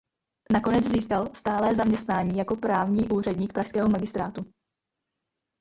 Nakonec získal stálé zaměstnání jako právní úředník pražského magistrátu.